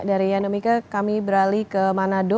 dari anamika kami beralih ke manado